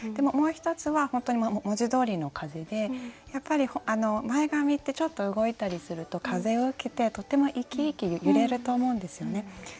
もう１つは本当に文字どおりの「風」でやっぱり前髪ってちょっと動いたりすると風を受けてとても生き生き揺れると思うんですよね。